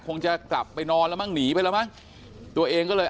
คงจะกลับไปนอนแล้วมั้งหนีไปแล้วมั้งตัวเองก็เลย